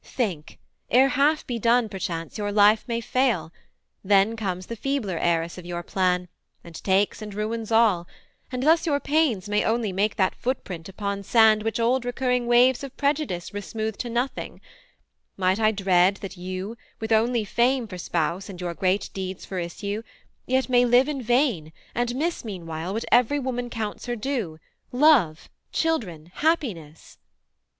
think; Ere half be done perchance your life may fail; Then comes the feebler heiress of your plan, And takes and ruins all; and thus your pains May only make that footprint upon sand Which old recurring waves of prejudice Resmooth to nothing: might I dread that you, With only Fame for spouse and your great deeds For issue, yet may live in vain, and miss, Meanwhile, what every woman counts her due, Love, children, happiness?'